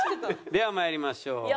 ではまいりましょう。